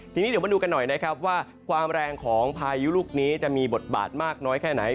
ทีนี้เดี๋ยวมาดูกันหน่อยนะครับว่าความแรงของพายุลูกนี้จะมีบทบาทมากน้อยแค่ไหน